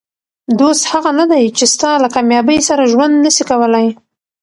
دوست هغه نه دئ، چي ستا له کامیابۍ سره ژوند نسي کولای.